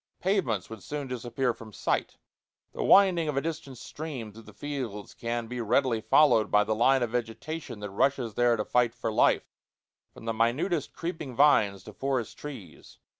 Pavements would soon disappear from sight; the winding of a distant stream through the fields can be readily followed by the line of vegetation that rushes there to fight for life, from the minutest creeping vines to forest trees.